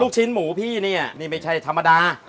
ชิ้นหมูพี่เนี่ยนี่ไม่ใช่ธรรมดา